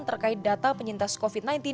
terkait data penyintas covid sembilan belas